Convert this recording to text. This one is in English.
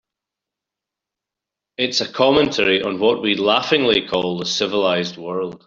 It's a commentary on what we laughingly call the civilized world.